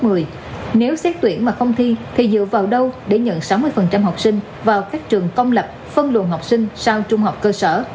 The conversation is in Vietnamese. nếu xét tuyển mà không thi thì dựa vào đâu để nhận sáu mươi học sinh vào các trường công lập phân luận học sinh sau trung học cơ sở